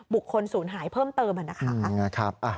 บุคคลศูนย์หายเพิ่มเติมนะคะ